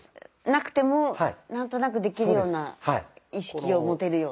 なくても何となくできるような意識を持てるような。